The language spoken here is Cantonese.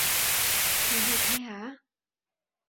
你去睇下吖